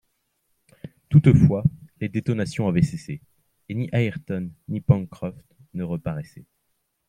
Toutefois, les détonations avaient cessé, et ni Ayrton ni Pencroff ne reparaissaient.